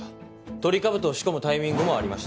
トリカブトを仕込むタイミングもありました。